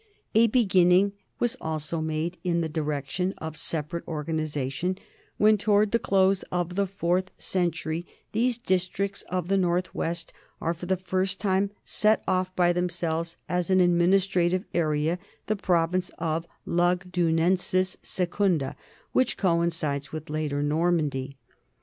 A beginning was also made in the direction of separate organization when, toward the close of the fourth century, these districts of the north west are for the first time set off by themselves as an administrative area, the province of Lugdunensis Se cunda, which coincides with later Normandy.